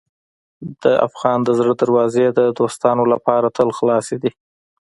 د افغان د زړه دروازې د دوستانو لپاره تل خلاصې دي.